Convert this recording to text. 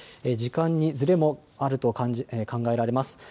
時間にずれもあると考えられます。